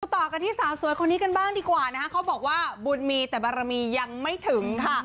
ต่อกันที่สาวสวยคนนี้กันบ้างดีกว่านะคะเขาบอกว่าบุญมีแต่บารมียังไม่ถึงค่ะ